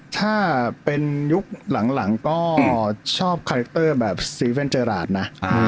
ถ้าเป็นยุคหลังก็ชอบคาแรคเตอร์แบบซีเว่นเจอราชนะ